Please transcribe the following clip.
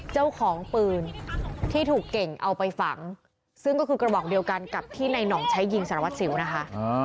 เจ้าของปืนที่ถูกเก่งเอาไปฝังซึ่งก็คือกระบอกเดียวกันกับที่ในห่องใช้ยิงสารวัสสิวนะคะ